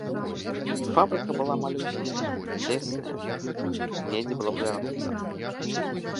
Фабрыка была малюсенькая, цесная, недзе было павярнуцца.